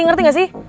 ngerti gak sih